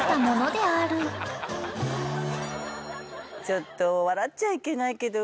ちょっと笑っちゃいけないけど。